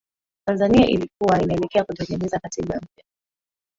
Tanzania ilikuwa inaelekea kutengeneza Katiba mpya